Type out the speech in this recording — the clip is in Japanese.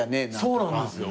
そうなんですよ。